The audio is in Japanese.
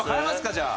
じゃあ。